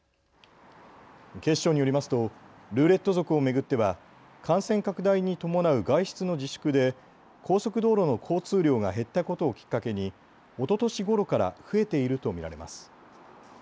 警視庁によりますとルーレット族を巡っては感染拡大に伴う外出の自粛で高速道路の交通量が減ったことをきっかけに、おととしごろから増えていると見られます。